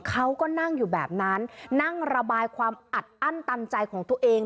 เขาก็นั่งอยู่แบบนั้นนั่งระบายความอัดอั้นตันใจของตัวเอง